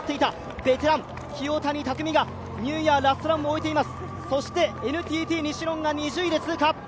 ベテラン、清谷匠がニューイヤーラストランを終えています。